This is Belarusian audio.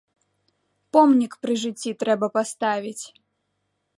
Помнік пры жыцці трэба паставіць!